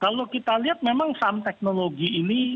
kalau kita lihat memang saham teknologi ini